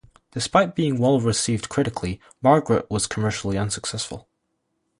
Despite being well received critically, "Margaret" was commercially unsuccessful.